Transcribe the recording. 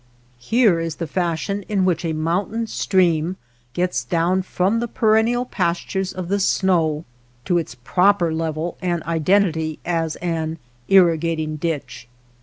Here is the fashion in which a mountain 211 WATER BORDERS stream gets down from the perennial pas tures of the snow to its proper level and identity as an irrigating ditch.